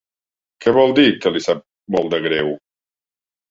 Què vol dir que li sap molt de greu?